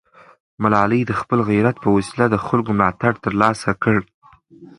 ملالۍ د خپل غیرت په وسیله د خلکو ملاتړ ترلاسه کړ.